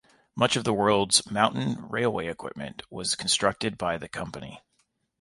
Much of the world's mountain railway equipment was constructed by the company.